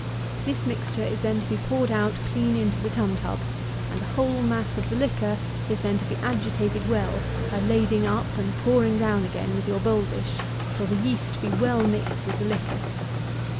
This mixture is then to be poured out clean into the tun tub, and the whole mass of the liquor is then to be agitated well by lading up and pouring down again with your bowl dish, till the yeast be well mixed with the liquor.